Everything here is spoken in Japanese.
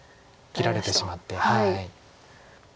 切られてしまって。